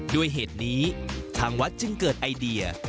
ด้วยเหตุนี้ทางวัดจึงเกิดไอเดีย